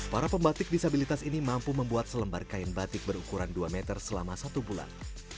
para pembatik disabilitas ini mampu membuat selembar kain batik berukuran dua meter selama satu bulan